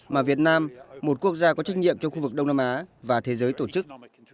mà việt nam một quốc gia có trách nhiệm cho khu vực đông nam á và thế giới tổ chức